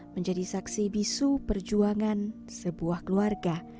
menjadi saksi bisu perjuangan sebuah keluarga